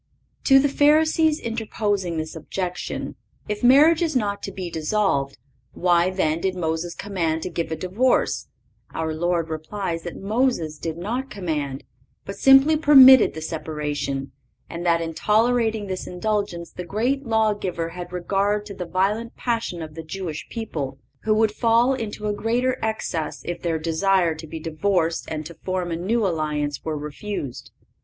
To the Pharisees interposing this objection, if marriage is not to be dissolved, why then did Moses command to give a divorce, our Lord replies that Moses did not command, but simply permitted the separation, and that in tolerating this indulgence the great lawgiver had regard to the violent passion of the Jewish people, who would fall into a greater excess if their desire to be divorced and to form a new alliance were refused.